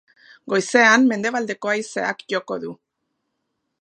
Goizean mendebaldeko haizeak joko du.